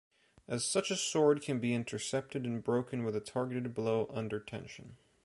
As such a sword can be intercepted and broken with a targeted blow under tension.